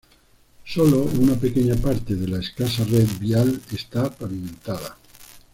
Sólo una pequeña parte de la escasa red vial está pavimentada.